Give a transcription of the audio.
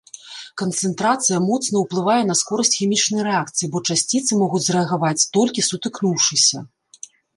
Канцэнтрацыя моцна ўплывае на скорасць хімічнай рэакцыі, бо часціцы могуць зрэагаваць толькі сутыкнуўшыся.